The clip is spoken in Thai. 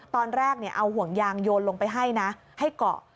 ตอนแรกเอาห่วงยางโยนลงไปให้นะให้เกาะ